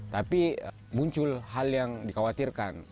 tapi muncul hal yang dikhawatirkan